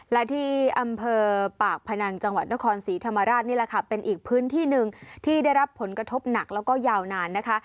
และที่อำเภอปากพนังจังหวัดนครศรีธรรมราชนี่แหละค่ะเป็นอีกพื้นที่หนึ่งที่ได้รับผลกระทบหนักแล้วก็ยาวนานนะคะ